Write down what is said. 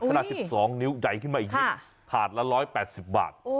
ขนาดสิบสองนิ้วใหญ่ขึ้นมาอีกนิดค่ะถาดละร้อยแปดสิบบาทโอ้